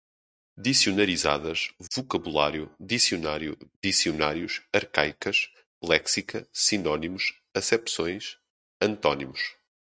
dicionarizadas, vocabulário, dicionário, dicionários, arcaicas, léxica, sinônimos, acepções, antônimos